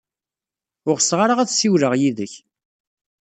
Ur ɣseɣ ara ad ssiwleɣ yid-k.